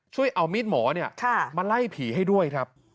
ช่วยเอามีดหมอมาไล่ผีให้ด้วยครับ